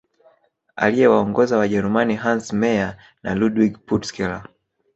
Aliyewaongoza Wajerumani Hans Meyer na Ludwig Purtscheller